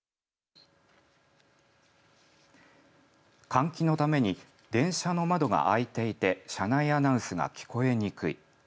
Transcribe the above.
換気のために車の窓が開いていて車内アナウンスが聞こえにくい。